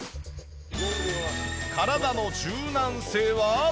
体の柔軟性は？